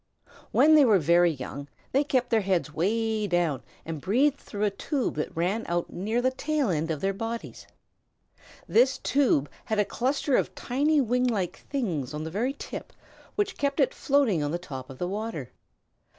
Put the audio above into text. When they were very young they kept their heads way down and breathed through a tube that ran out near the tail end of their bodies. This tube had a cluster of tiny wing like things on the very tip, which kept it floating on the top of the water.